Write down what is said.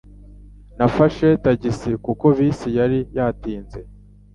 Nafashe tagisi kuko bisi yari yatinze.